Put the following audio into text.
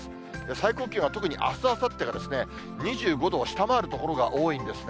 最高気温は特にあす、あさってが２５度を下回る所が多いんですね。